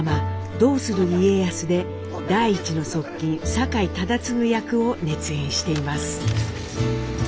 「どうする家康」で第一の側近酒井忠次役を熱演しています。